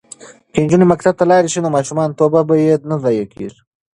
که نجونې مکتب ته لاړې شي نو ماشوم توب به یې نه ضایع کیږي.